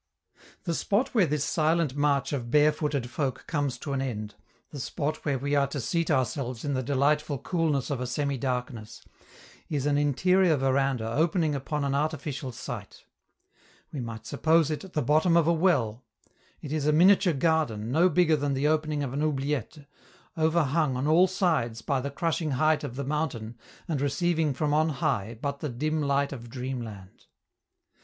The spot where this silent march of barefooted folk comes to an end, the spot where we are to seat ourselves in the delightful coolness of a semi darkness, is an interior veranda opening upon an artificial site. We might suppose it the bottom of a well; it is a miniature garden no bigger than the opening of an oubliette, overhung on all sides by the crushing height of the mountain and receiving from on high but the dim light of dreamland.